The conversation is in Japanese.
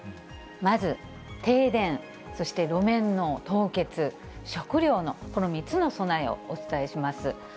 まず停電、そして路面の凍結、食料の、この３つの備えをお伝えします。